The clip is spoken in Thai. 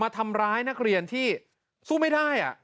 ทำร้ายนักเรียนที่สู้ไม่ได้